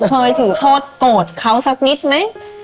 เคยถือโทษโกรธเขาสักนิดไหม